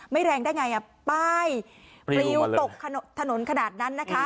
แรงได้ไงป้ายปลิวตกถนนขนาดนั้นนะคะ